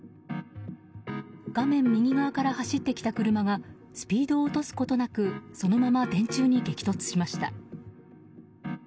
画面右側から走ってきた車がスピードを落とすことなくそのまま電柱に激突しました。